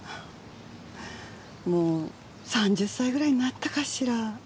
もう３０歳ぐらいになったかしら。